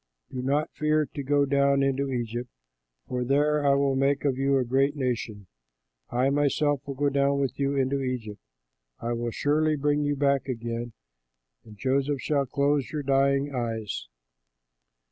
Do not fear to go down into Egypt, for there I will make of you a great nation. I myself will go down with you into Egypt; I will surely bring you back again; and Joseph shall close your dying eyes."